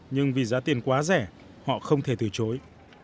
nhưng vì giá tiền quá rẻ họ không thể từ chối